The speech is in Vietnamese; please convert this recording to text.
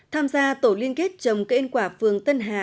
tham gia tổ liên kết trồng cây ăn quả phường tân hà